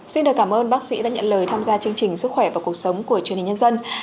xin được cảm ơn bác sĩ đã nhận lời tham gia chương trình sức khỏe và cuộc sống của truyền hình nhân dân